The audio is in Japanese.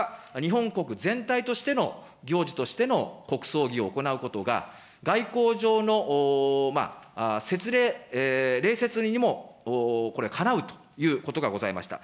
であるならば、日本国全体としての、行事としての国葬儀を行うことが、外交上の礼節にもこれ、かなうということがございました。